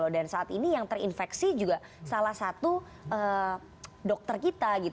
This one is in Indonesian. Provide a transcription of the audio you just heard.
dan saat ini yang terinfeksi juga salah satu dokter kita